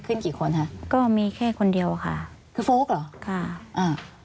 กี่คนฮะก็มีแค่คนเดียวค่ะคือโฟลกเหรอค่ะอ่า